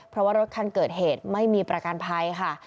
เพราะว่ารถคันเกิดเหตุไม่มีประกันภัยค่ะ